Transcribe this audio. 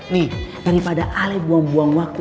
nih daripada ale buang buang waktu